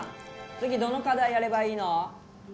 次どの課題やればいいの？